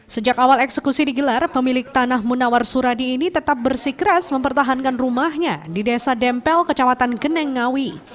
sejak awal eksekusi digelar pemilik tanah munawar suradi ini tetap bersih keras mempertahankan rumahnya di desa dempel kecawatan geneng ngawi